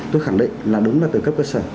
tôi khẳng định là đúng là từ cấp cơ sở